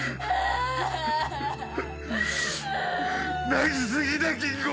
泣き過ぎだ吟子